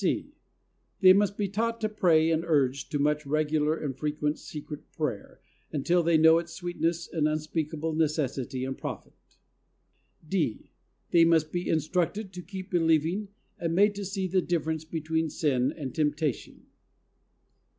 (c.) They must be taught to pray and urged to much regular and frequent secret prayer, until they know its sweetness and imspeakable necessity and profit. (d.) They must be instructed to keep be lieving and made to see the difference be tween sin and temptation.